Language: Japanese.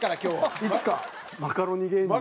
いつかマカロニ芸人の。